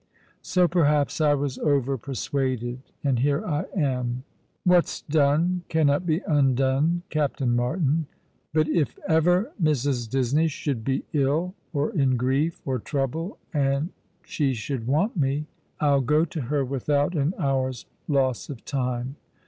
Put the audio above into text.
So perhaps I was over persuaded : and here I am. "What's done cannot be undone, Captain Martin ; but if ever Mrs. Disney should be ill or in grief or trouble, and she should want me, I'll go to her without an hour's loss of time.